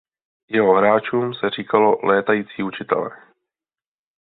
Jeho hráčům se říkalo "létající učitelé".